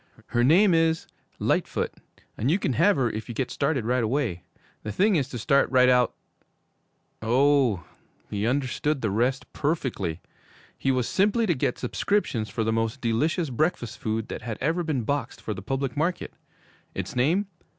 Her name is "Lightfoot," and you can have her if you get started right away. The thing is to start right out ' Oh, he understood the rest perfectly! He was simply to get subscriptions for the most delicious breakfast food that had ever been boxed for the public market! Its name?